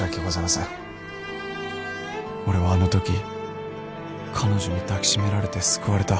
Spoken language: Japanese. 俺はあのとき彼女に抱き締められて救われた